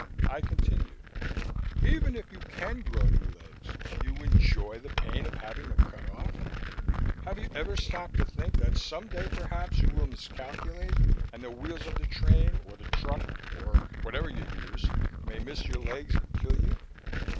I continued, "Even if you can grow new legs, do you enjoy the pain of having them cut off? Have you ever stopped to think that some day, perhaps, you will miscalculate, and the wheels of the train, or the truck, or whatever you use, may miss your legs and kill you?